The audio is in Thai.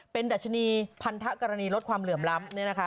เป็นดัชนีพันธกรณีลดความเหลื่อมล้ำเนี่ยนะคะ